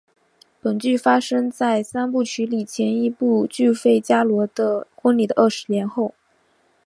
本剧发生在三部曲里前一部剧费加罗的婚礼的二十年后。